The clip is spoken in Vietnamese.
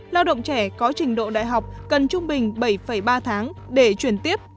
lao động trẻ có trình độ đại học cần trung bình bảy ba tháng để chuyển tiếp